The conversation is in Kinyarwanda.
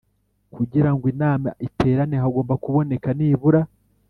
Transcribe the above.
Kugira ngo inama iterane hagomba kuboneka nibura